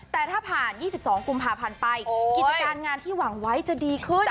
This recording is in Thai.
แต่ถ้าผ่าน๒๒กุมภาพันธ์ไปกิจการงานที่หวังไว้จะดีขึ้น